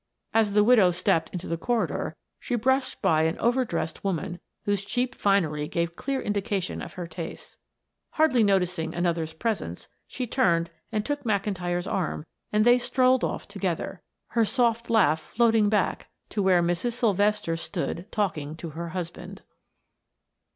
As the widow stepped into the corridor she brushed by an over dressed woman, whose cheap finery gave clear indication of her tastes. Hardly noticing another's presence she turned and took McIntyre's arm and they strolled off together, her soft laugh floating back to where Mrs. Sylvester stood talking to her husband.